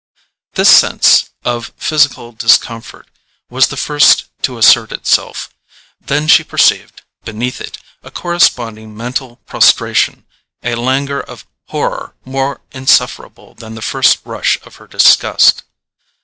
This sense of physical discomfort was the first to assert itself; then she perceived, beneath it, a corresponding mental prostration, a languor of horror more insufferable than the first rush of her disgust.